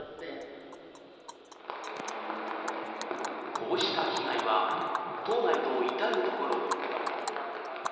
こうした被害は島内の至るところに。